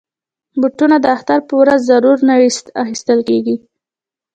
بوټونه د اختر په ورځ ضرور نوي اخیستل کېږي.